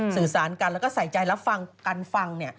สื่อสารกันแล้วก็ใส่ใจรับฟังกันฟัง